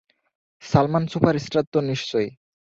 Salman superstar তো নিশ্চয়।